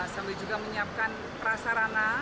sambil juga menyiapkan prasarana